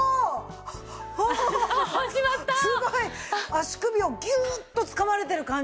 足首をギューッとつかまれてる感じです。